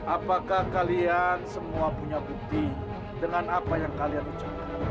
apakah kalian semua punya bukti dengan apa yang kalian ucapkan